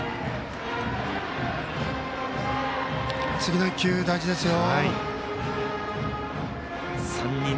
次の１球大事ですよ。